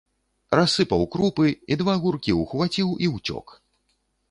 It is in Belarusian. Рассыпаў крупы і два гуркі ўхваціў і ўцёк.